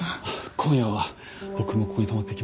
今夜は僕もここに泊まっていきます。